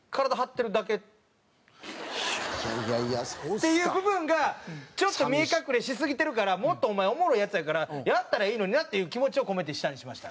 っていう部分がちょっと見え隠れしすぎてるからもっとお前おもろいヤツやからやったらいいのになっていう気持ちを込めて下にしました。